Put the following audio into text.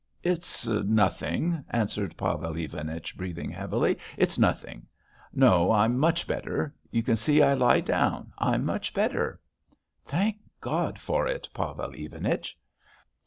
"It's nothing," answered Pavel Ivanich, breathing heavily. "It's nothing. No. I'm much better. You see I can lie down now. I'm much better." "Thank God for it, Pavel Ivanich."